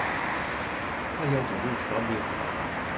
Hy jout in goed foarbyld.